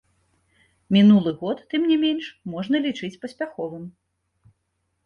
Мінулы год, тым не менш, можна лічыць паспяховым.